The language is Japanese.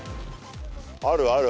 あるある。